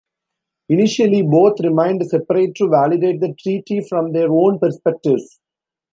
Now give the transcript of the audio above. Initially both remained separate to validate the Treaty from their own perspectives.